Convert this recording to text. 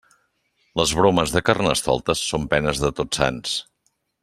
Les bromes de Carnestoltes són penes de Tots Sants.